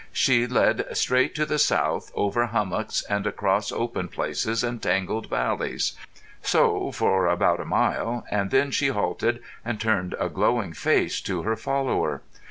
She led straight to the south, over hummocks, and across open places and tangled valleys. So for about a mile; and then she halted and turned a glowing face to her follower.